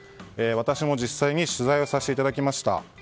私も実際に取材をさせていただきました。